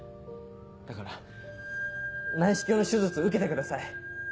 だから内視鏡の手術受けてください。